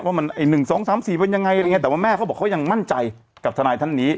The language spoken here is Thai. ว่ามันไอ้๑๒๓๔เป็นยังไงอะไรอย่างนี้แต่ว่าแม่เขาบอกเขายังมั่นใจกับทนายท่านนี้